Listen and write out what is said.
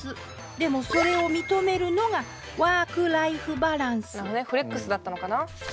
でもそれを認めるのがワークライフバランスフレックスだったのかな。